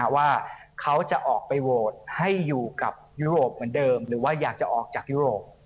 ว่าเขาจะออกไปโหวตให้อยู่กับยุโรปเหมือนเดิมหรือว่าอยากจะออกจากยุโรป